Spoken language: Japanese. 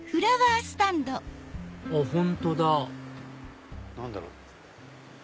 あっ本当だ何だろう？